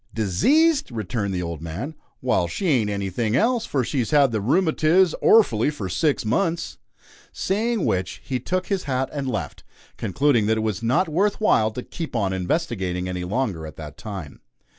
"Diseased!" returned the old man; "Wal, she ain't anything else, for she's had the rumatiz orfully for six months!" Saying which, he took his hat and left, concluding that it was not worth while to "keep on investigating" any longer at that time.